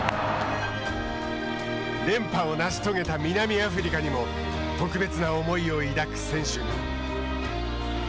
連覇を成し遂げた南アフリカにも特別な思いを抱く選手が。